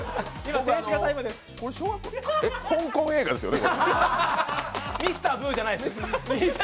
これ香港映画ですよね？